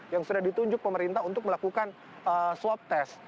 yang sudah ditunjuk pemerintah untuk melakukan swab test